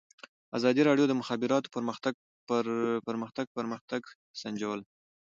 ازادي راډیو د د مخابراتو پرمختګ پرمختګ سنجولی.